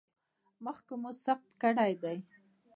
مخکې مو سقط کړی دی؟